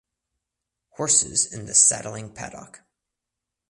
Horses in the Saddling Paddock.